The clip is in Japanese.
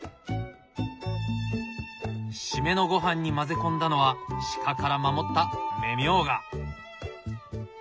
締めのごはんに混ぜ込んだのは鹿から守った芽ミョウガ！